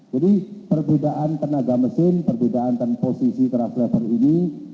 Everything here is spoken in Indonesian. jadi perbedaan tenaga mesin perbedaan posisi truss lever ini